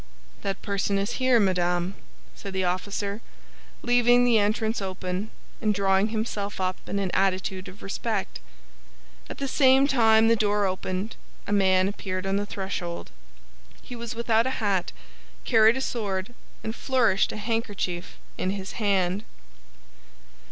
"That person is here, madame," said the officer, leaving the entrance open, and drawing himself up in an attitude of respect. At the same time the door opened; a man appeared on the threshold. He was without a hat, carried a sword, and flourished a handkerchief in his hand.